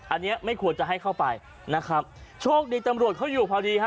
อันนี้ไม่ควรจะให้เข้าไปนะครับโชคดีตำรวจเขาอยู่พอดีฮะ